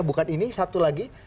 bukan ini satu lagi